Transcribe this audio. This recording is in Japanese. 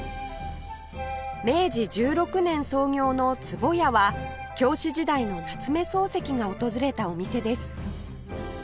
明治１６年創業のつぼやは教師時代の夏目漱石が訪れたお店です